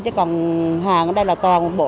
chứ còn hàng ở đây là toàn bộ